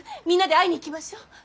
みんなで会いに行きましょう。